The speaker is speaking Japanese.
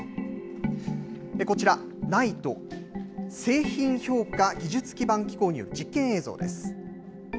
こちら、ＮＩＴＥ・製品評価技術基盤機構による実験映像です。